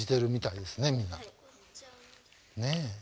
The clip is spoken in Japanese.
ねえ。